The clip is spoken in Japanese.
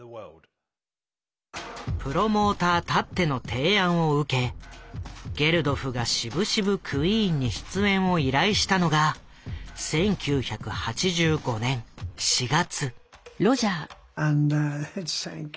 プロモーターたっての提案を受けゲルドフがしぶしぶクイーンに出演を依頼したのが１９８５年４月。